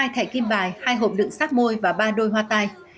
hai thẻ kim bài hai hộp đựng sát môi và ba đôi hoa tai